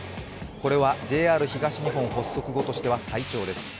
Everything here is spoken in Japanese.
これはＪＲ東日本発足後としては最長です。